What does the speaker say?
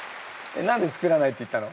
何で作らないって言ったの？